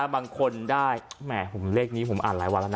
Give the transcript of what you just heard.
บางคนได้แหมเลขนี้ผมอ่านหลายวันแล้วนะ